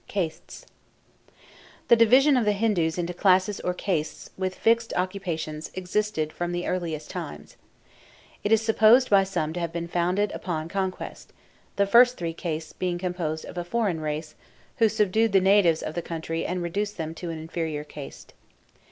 CASTES The division of the Hindus into classes or castes, with fixed occupations, existed from the earliest times. It is supposed by some to have been founded upon conquest, the first three castes being composed of a foreign race, who subdued the natives of the country and reduced them to an inferior caste.